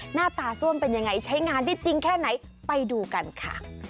หน้าตาซ่วมเป็นยังไงใช้งานได้จริงแค่ไหนไปดูกันค่ะ